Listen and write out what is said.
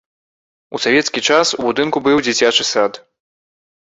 У савецкі час у будынку быў дзіцячы сад.